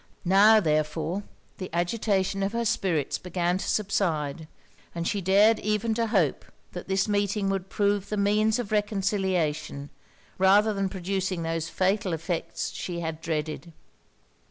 Now, therefore, the agitation of her spirits began to subside; and she dared even to hope that this meeting would prove the means of reconciliation, rather than of producing those fatal effects she had dreaded.